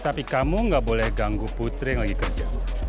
tapi kamu gak boleh ganggu putri yang lagi kerja